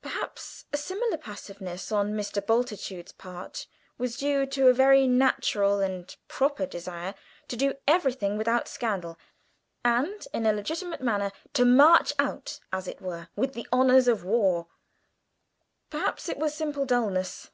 Perhaps a similar passiveness on Mr. Bultitude's part was due to a very natural and proper desire to do everything without scandal, and in a legitimate manner; to march out, as it were, with the honours of war. Perhaps it was simple dullness.